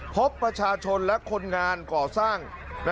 พบประชาชนและคนงานก่อสร้าง